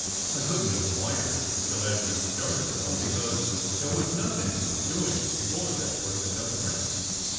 I couldn t have wired till after you d started, though, because there was nothing doing before that, worth a telegram.